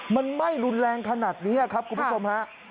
มันไหม้รุนแรงขนาดนี้ครับคุณผู้ชมฮะ